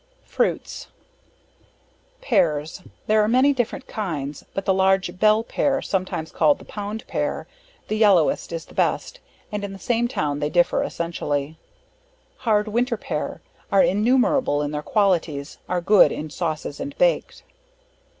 FRUITS. Pears, There are many different kinds; but the large Bell Pear, sometimes called the Pound Pear, the yellowest is the best, and in the same town they differ essentially. Hard Winter Pear, are innumerable in their qualities, are good in sauces, and baked.